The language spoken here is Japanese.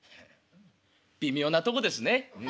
微妙なとこですね。